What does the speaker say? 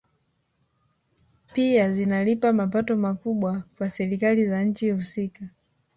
Pia zinalipa mapato makubwa kwa Serikali za nchi husika